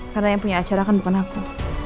karena yang punya acara kan bukan aku